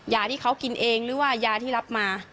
ยาที่เขากินเองหรือว่ายาที่รับมา